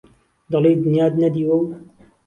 دهڵهی دنیات نهدیوه و